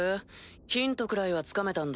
ヒントくらいはつかめたんだろ？